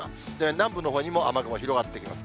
南部のほうにも雨雲広がってきます。